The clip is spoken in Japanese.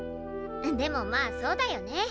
でもまあそうだよね。